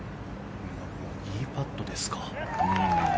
これがボギーパットですか。